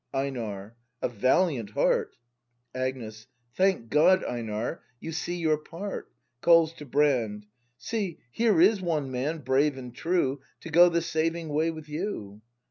Einar. A valiant heart. Agnes. Thank God, Einar, you see your part! [Calls to Brand.] See, — here is one man, brave and true. To go the saving way with you